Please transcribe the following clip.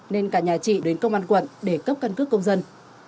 nên cả nhà chị đến công an quận để cấp căn cước công dân